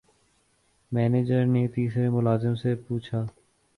manager نے تیسرے ملازم سے پوچھا